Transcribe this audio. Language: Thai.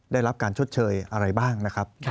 ได้รับการชดเชยอะไรบ้างนะครับ